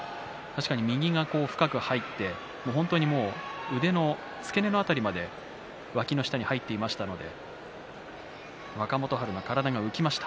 右が深く入って腕の付け根の辺りまでわきの下に入っていましたので若元春の体が浮きました。